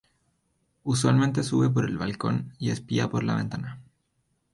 Usualmente sube por el balcón y espía por la ventana.